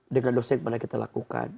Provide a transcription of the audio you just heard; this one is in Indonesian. dengan dosa yang pernah kita lakukan